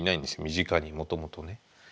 身近にもともとね。